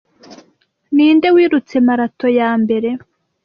Ninde wirutse marato yambere